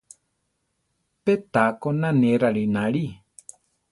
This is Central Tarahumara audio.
Pé taá koná ne rarináli.